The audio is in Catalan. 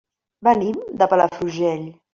Venim de Palafrugell.